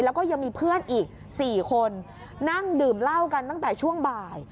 แล้วก็ยังมีเพื่อนอีก๔คนนั่งดื่มเหล้ากันตั้งแต่ช่วงบ่าย